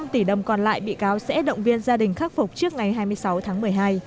năm tỷ đồng còn lại bị cáo sẽ động viên gia đình khắc phục trước ngày hai mươi sáu tháng một mươi hai